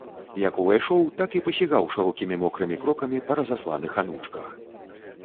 Як увайшоў, так і пасігаў шырокімі мокрымі крокамі па разасланых анучках.